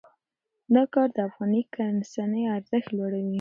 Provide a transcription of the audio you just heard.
دا کار د افغاني کرنسۍ ارزښت لوړوي.